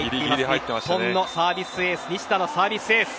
日本のサービスエース西田のサービスエース。